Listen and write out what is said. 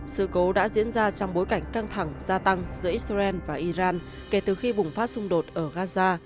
sự cố đã diễn ra trong bối cảnh căng thẳng gia tăng giữa israel và iran kể từ khi bùng phát xung đột ở gaza